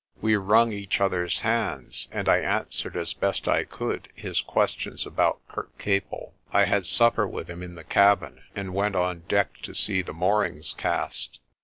We wrung each other's hands, and I answered, as best I could, his questions about Kirkcaple. I had supper with him in the cabin, and went on deck to see the moorings cast.